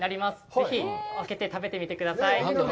ぜひあけて食べてみてください。